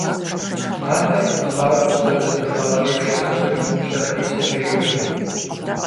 Матэр хъару зэрызэхуащӏыж сатырым лъапэрисэкӏэ йоджэ.